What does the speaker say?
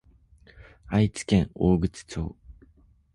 愛知県大口町